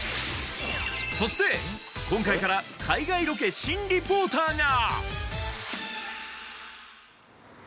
そして今回から海外ロケ新リポーターが！